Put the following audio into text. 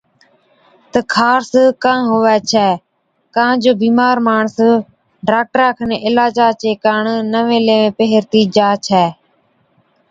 تہ خارس ڪان هُوَي ڇَي، ڪان جو بِيمار ماڻس ڊاڪٽرا کن عِلاجا چي ڪاڻ نَوين ليوين پيهرتِي جا ڇَي،